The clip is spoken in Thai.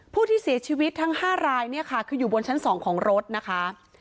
ผู้ที่เสียชีวิตทั้ง๕รายเนี่ยค่ะคืออยู่บนชั้น๒ของรถนะคะ